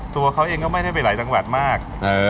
ตัวเขาเองก็ไม่ได้ไปหลายจังหวัดมาก